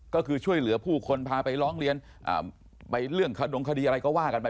ก็คือช่วยเหลือผู้คนพาไปร้องเรียนไปเรื่องขดงคดีอะไรก็ว่ากันไป